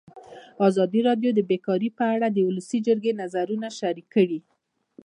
ازادي راډیو د بیکاري په اړه د ولسي جرګې نظرونه شریک کړي.